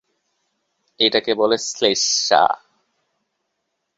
এটাকে বলে শ্লেষ্মা!